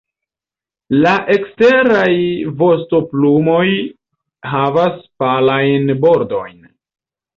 La eksteraj vostoplumoj havas palajn bordojn.